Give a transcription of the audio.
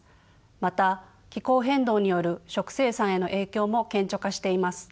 また気候変動による食生産への影響も顕著化しています。